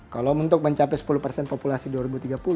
kalau untuk mencapai sepuluh persen populasi dua ribu tiga puluh